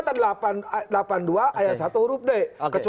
kecuali kalau nggak bisa baca huruf itu